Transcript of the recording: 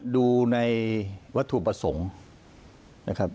ดูในวัตถุประสงค์นะครับ